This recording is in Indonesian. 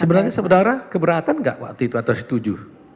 sebenarnya seudara keberatan gak waktu itu atau setuju